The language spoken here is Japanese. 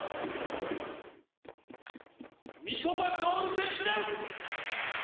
三笘薫選手です。